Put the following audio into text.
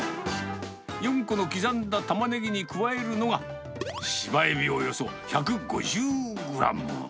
４個の刻んだタマネギに加えるのが、シバエビおよそ１５０グラム。